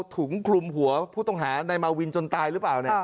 ถุงคลุมหัวผู้ต้องหาในมาวินจนตายหรือเปล่า